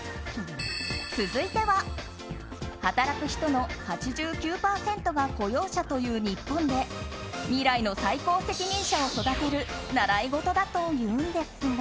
続いては、働く人の８９％が雇用者という日本で未来の最高責任者を育てる習い事だというんですが。